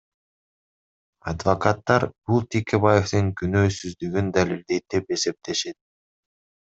Адвокаттар бул Текебаевдин күнөөсүздүгүн далилдейт деп эсептешет.